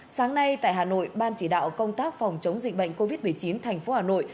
sáng nay tại hà nội ban chỉ đạo công tác phòng chống dịch bệnh covid một mươi chín thành phố hà nội